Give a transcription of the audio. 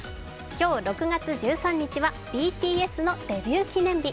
今日６月１３日はＢＴＳのデビュー記念日。